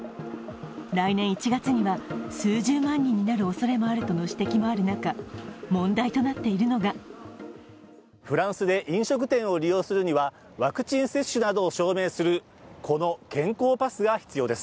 来年１月には数十万人になるおそれもあるとの指摘もある中問題となっているのがフランスで飲食店を利用するにはワクチン接種などを証明するこの健康パスが必要です。